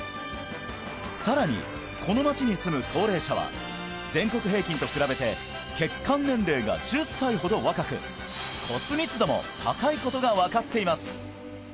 さらにこの町に住む高齢者は全国平均と比べて血管年齢が１０歳ほど若く骨密度も高いことが分かっています